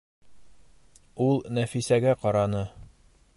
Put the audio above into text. - Ул Нәфисәгә ҡараны.